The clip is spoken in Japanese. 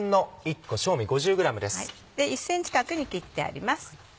１ｃｍ角に切ってあります。